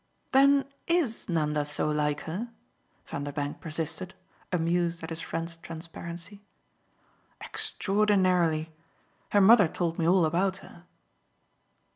"Then IS Nanda so like her?" Vanderbank persisted, amused at his friend's transparency. "Extraordinarily. Her mother told me all about her."